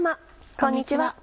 こんにちは。